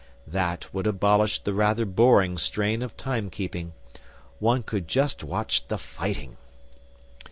That would abolish the rather boring strain of time keeping. One could just watch the fighting.